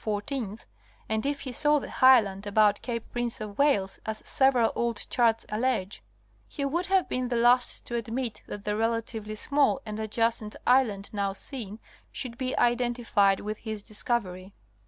14th, and if he saw the high land about Cape Prince of Wales, as several old charts allege, he would have been the last to admit that the relatively small and adjacent island now seen, should be identified with his dis covery.